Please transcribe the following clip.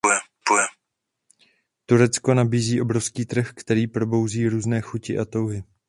Turecko nabízí obrovský trh, který probouzí různé chuti a touhy.